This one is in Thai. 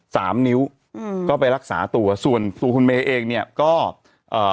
สามนิ้วอืมก็ไปรักษาตัวส่วนตัวคุณเมย์เองเนี้ยก็เอ่อ